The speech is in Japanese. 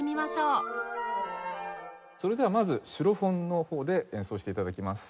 それではまずシロフォンの方で演奏して頂きます。